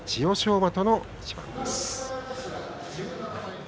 馬との一番です。